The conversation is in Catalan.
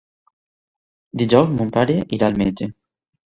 Dijous mon pare irà al metge.